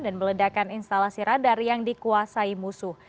dan meledakan instalasi radar yang dikuasai musuh